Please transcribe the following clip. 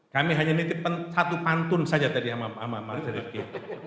kami hanya nitip satu pantun saja tadi sama mas rizky